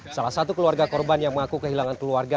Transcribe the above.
salah satu keluarga korban yang mengaku kehilangan keluarga